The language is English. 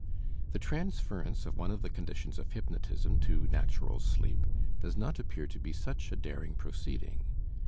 The transference of one of the conditions of hypnotism to natural sleep does not appear to be such a daring proceeding.